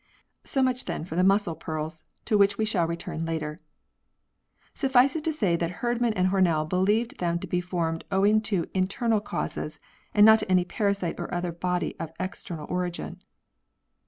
So much then for the muscle pearls to 108 PEARLS [CH. viii which we shall return later. Suffice it to say that Herdmau and Hornell believed them to be formed owing to internal causes and not to any parasite or other body of external origin.